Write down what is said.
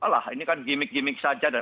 lah ini kan gimmick gimmick saja